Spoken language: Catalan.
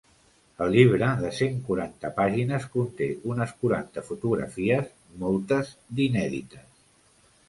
El llibre, de cent quaranta pàgines, conté unes quaranta fotografies, moltes d’inèdites.